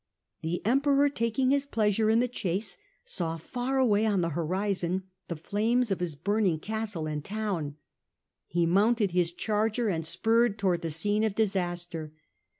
The Emperor, taking his pleasure in the chase, saw far away on the horizon the flames of his burning castle and town. He mounted his charger and spurred to wards the scene of disaster.